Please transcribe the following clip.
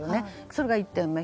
それが１点目。